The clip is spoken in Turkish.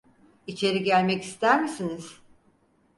İçeri gelmek ister misiniz?